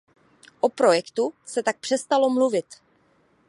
O projektu se tak přestalo mluvit.